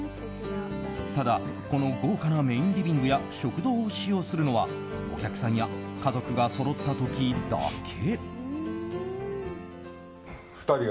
ただ、この豪華なメインリビングや食堂を使用するのはお客さんや家族がそろった時だけ。